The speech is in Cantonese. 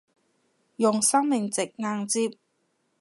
用生命值硬接